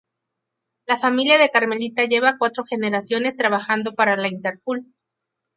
La familia de Carmelita lleva cuatro generaciones trabajando para la Interpol.